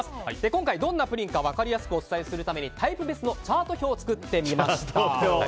今回どんなプリンか分かりやすくお伝えするためにタイプ別のチャート表を作ってみました。